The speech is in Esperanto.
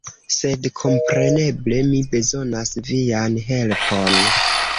Sed kompreneble mi bezonas vian helpon!